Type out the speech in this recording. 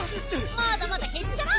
まだまだへっちゃら！